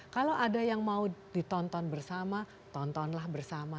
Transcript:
kalau ada yang mau ditonton bersama tontonlah bersama